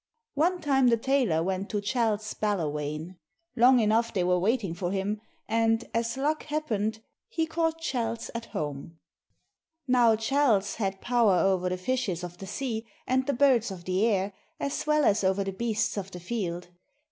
One time the tailor went to Chalse Ballawhane. Long enough they were waiting for him, and, as luck happened, he caught Chalse at home. Now Chalse had power over the fishes of the sea and the birds of the air as well as over the beasts of the field.